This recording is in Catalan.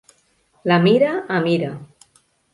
La mira amb ira.